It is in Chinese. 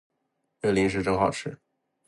这个零食真好吃